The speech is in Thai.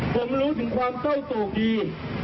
ผมรู้ถึงความเศร้าโศกดี